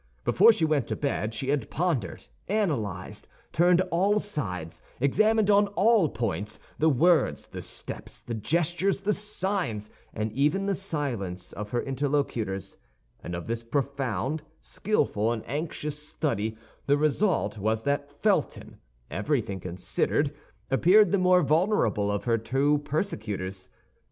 Before she went to bed she had pondered, analyzed, turned on all sides, examined on all points, the words, the steps, the gestures, the signs, and even the silence of her interlocutors; and of this profound, skillful, and anxious study the result was that Felton, everything considered, appeared the more vulnerable of her two persecutors.